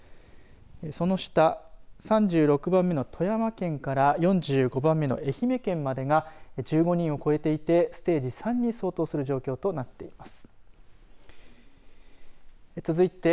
その下、３６番目の富山県から４５番目の愛媛県までが１５人を超えていてステージ３に相当する状況になっています。